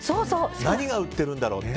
何が売ってるんだろうって。